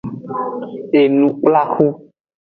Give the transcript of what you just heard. Enukplaxu.